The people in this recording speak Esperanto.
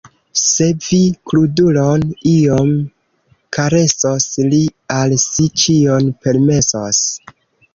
Se vi krudulon iom karesos, li al si ĉion permesos.